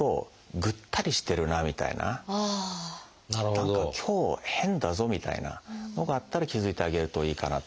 何か今日変だぞみたいなのがあったら気付いてあげるといいかなと。